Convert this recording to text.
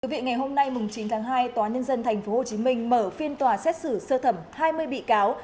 vị ngày hôm nay chín tháng hai tòa nhân dân tp hcm mở phiên tòa xét xử sơ thẩm hai mươi bị cáo